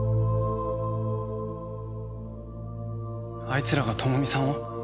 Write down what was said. あいつらが朋美さんを！？